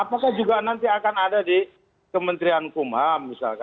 apakah juga nanti akan ada di kementerian hukuman misalnya